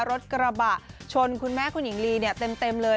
รถกระบะชนคุณแม่คุณหญิงลีเนี่ยเต็มเลย